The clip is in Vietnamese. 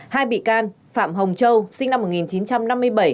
hai bị can phạm hồng châu sinh năm một nghìn chín trăm chín mươi chín